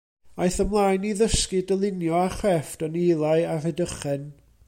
Aeth ymlaen i ddysgu dylunio a chrefft yn Ely a Rhydychen.